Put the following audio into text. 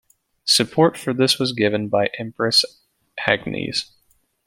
Support for this was given by Empress Agnes.